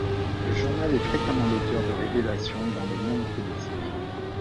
Le journal est fréquemment l'auteur de révélations dans le monde politique.